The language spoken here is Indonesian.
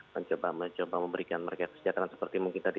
mencoba mencoba memberikan mereka kesejahteraan seperti mungkin tadi